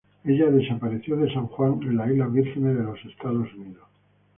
Ella desapareció de San Juan en las Islas Vírgenes de los Estados Unidos.